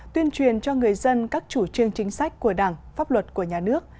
tuyên truyền cho người dân các chủ trương chính sách của đảng pháp luật của nhà nước